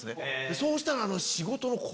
そうしたら。